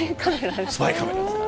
スパイカメラですか。